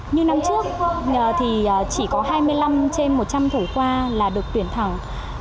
như năm trước thì chỉ có hai mươi năm trên một trăm linh thủ khoa là được tuyển thẳng